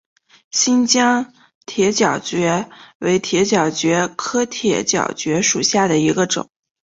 新疆铁角蕨为铁角蕨科铁角蕨属下的一个种。